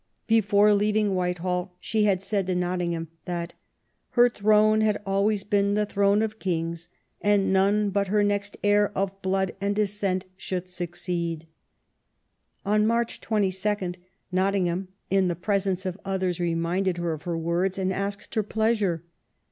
Before leaving Whitehall she 302 QUEEN ELIZABETH. had said to Nottingham that "her throne had always been the throne of Kings, and none but her next heir of blood and descent should succeed. On March 22, Nottingham, in the presence of others, reminded her of her words and asked her pleasure.